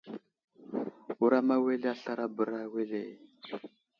Wuram awele a slaray a bəra wele ?